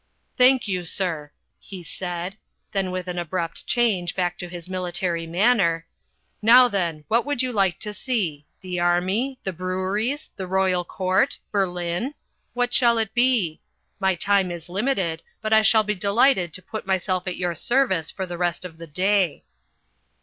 "Thank you, sir," he said. Then with an abrupt change back to his military manner, "Now, then, what would you like to see? The army? The breweries? The Royal court? Berlin? What shall it be? My time is limited, but I shall be delighted to put myself at your service for the rest of the day."